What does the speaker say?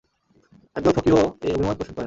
একদল ফকীহও এ অভিমত পোষণ করেন।